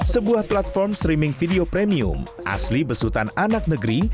sebuah platform streaming video premium asli besutan anak negeri